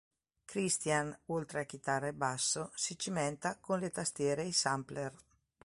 Christian, oltre a chitarra e basso, si cimenta con le tastiere e i sampler.